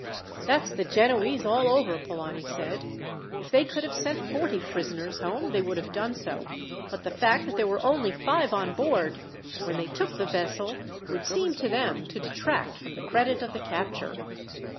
"That's the Genoese all over," Polani said. "If they could have sent forty prisoners home they would have done so; but the fact that there were only five on board, when they took the vessel, would seem to them to detract from the credit of the capture."